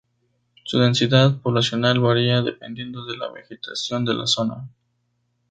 Su densidad poblacional varía dependiendo de la vegetación de la zona.